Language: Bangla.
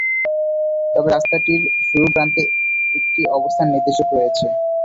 তবে রাস্তাটির শুরুর প্রান্তে একটি অবস্থান নির্দেশক রয়েছে।